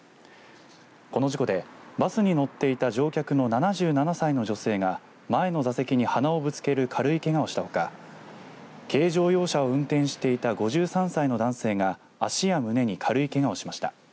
この事故でバスに乗っていた乗客の７７歳の女性が前の座席に鼻をぶつける軽いけがをしたほか軽乗用車を運転していた５３歳の男性が足や胸に軽いけがをしました。